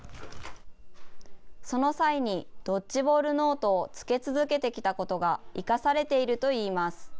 その際にドッジボールノートをつけ続けてきたことが生かされているといいます。